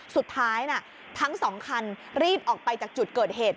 ทั้งสองคันรีบออกไปจากจุดเกิดเหตุ